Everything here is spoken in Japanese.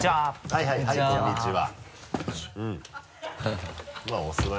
はいはいはいこんにちは。